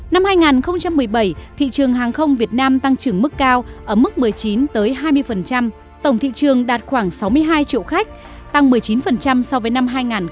năm hai nghìn một mươi bảy thị trường hàng không việt nam tăng trưởng mức cao ở mức một mươi chín hai mươi tổng thị trường đạt khoảng sáu mươi hai triệu khách tăng một mươi chín so với năm hai nghìn một mươi bảy